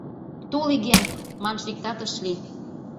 «Тол, игем!» манше иктат ыш лий.